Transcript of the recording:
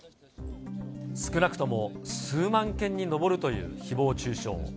少なくとも数万件に上るというひぼう中傷。